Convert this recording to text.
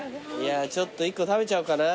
ちょっと１個食べちゃおうかな。